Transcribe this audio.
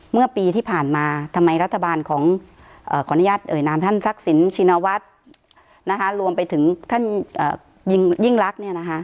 เมื่อปีที่ผ่านมาทำไมรัฐบาลของขออนุญาตเอ่ยนามท่านทักษิณชินวัฒน์รวมไปถึงท่านยิ่งรัก